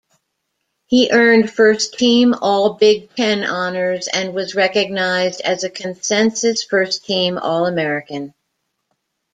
He earned first-team All-Big Ten honors and was recognized as a consensus first-team All-American.